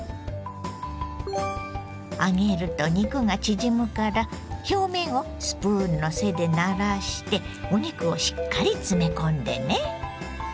揚げると肉が縮むから表面をスプーンの背でならしてお肉をしっかり詰め込んでね。